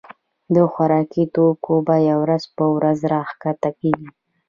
د خوراکي توکو بيي ورځ په ورځ را کښته کيږي.